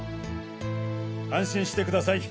安心してください。